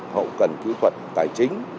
hậu cần kỹ thuật tài chính